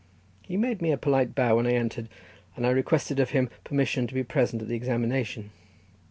He made me a polite bow when I entered, and I requested of him permission to be present at the examination.